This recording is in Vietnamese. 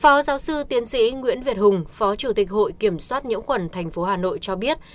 phó giáo sư tiến sĩ nguyễn việt hùng phó chủ tịch hội kiểm soát nhiễm khuẩn tp hà nội cho biết